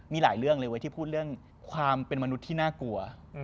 มีหลายเรื่องเลยเว้ยที่พูดเรื่องความเป็นมนุษย์ที่น่ากลัว